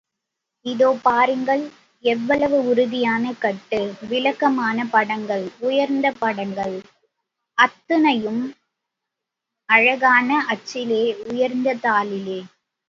இதோ பாருங்கள் எவ்வளவு உறுதியான கட்டு, விளக்கமான படங்கள், உயர்ந்த படங்கள் அத்தனையும் அழகான அச்சிலே உயர்ந்த தாளிலே.